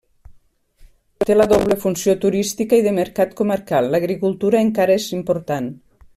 Té la doble funció turística i de mercat comarcal; l'agricultura encara és important.